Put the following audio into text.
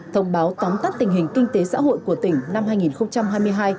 thông báo tóm tắt tình hình kinh tế xã hội của tỉnh năm hai nghìn hai mươi hai